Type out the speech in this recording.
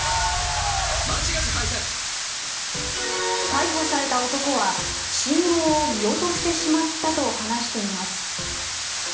逮捕された男は信号を見落としてしまったと話しています。